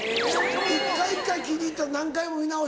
一回一回気に入ったら何回も見直して止めて。